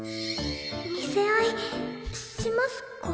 見せ合いしますか？